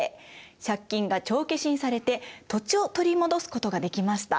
借金が帳消しにされて土地を取り戻すことができました。